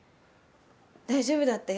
大丈夫だったよ。